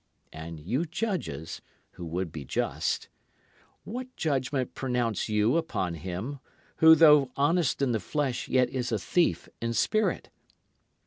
And you judges who would be just, What judgment pronounce you upon him who though honest in the flesh yet is a thief in spirit?